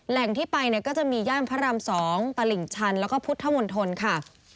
แหล่งที่ไปเนี่ยก็จะมีย่านพระราม๒ตลิ่งชันแล้วก็พุทธมณฑลค่ะ